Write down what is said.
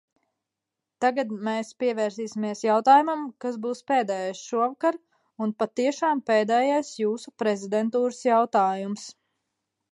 Tagad mēs pievērsīsimies jautājumam, kas būs pēdējais šovakar un patiešām pēdējais jūsu prezidentūras jautājums.